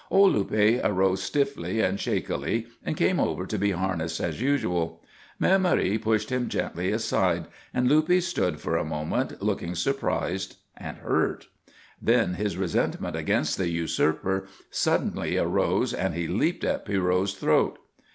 Old Luppe arose stiffly and shakily and came over to be harnessed as usual. Mère Marie pushed him gently aside, and Luppe stood for a moment looking surprised and hurt. Then his resentment against the usurper suddenly arose and he leaped at Pierrot's throat.